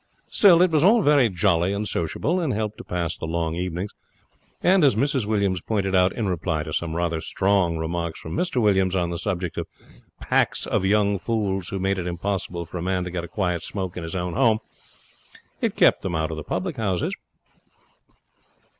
Still, it was all very jolly and sociable, and helped to pass the long evenings. And, as Mrs Williams pointed out, in reply to some rather strong remarks from Mr Williams on the subject of packs of young fools who made it impossible for a man to get a quiet smoke in his own home, it kept them out of the public houses.